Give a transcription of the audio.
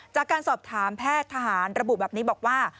จากการสอบถามแพทย์ทหารระบุแบบนี้บอกว่า